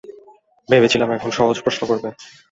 ভেবেছিলাম এখন সহজ প্রশ্ন করবে!